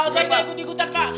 saya nggak ikut ikutan pak